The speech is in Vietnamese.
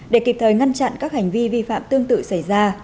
để kịp thời ngăn chặn các hành vi vi phạm tương tự xảy ra